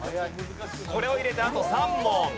これを入れてあと３問。